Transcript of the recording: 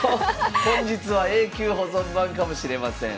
本日は永久保存版かもしれません。